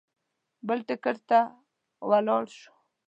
بل ټکټ ته ولاړ شو.